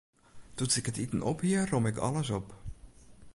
Doe't ik it iten op hie, romme ik alles op.